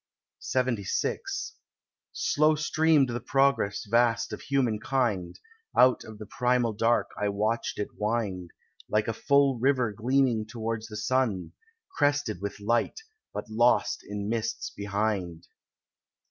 LXXVI Slow streamed the progress vast of human kind, Out of the primal dark I watched it wind, Like a full river gleaming towards the sun, Crested with light, but lost in mists behind.